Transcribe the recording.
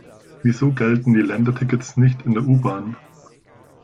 Wieso gelten die Ländertickets nicht in der U-Bahn?